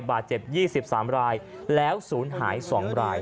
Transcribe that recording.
บาดเจ็บ๒๓รายแล้วศูนย์หาย๒ราย